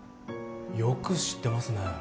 よく知ってますね